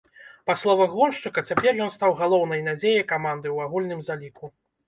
Па словах гоншчыка цяпер ён стаў галоўнай надзеяй каманды ў агульным заліку.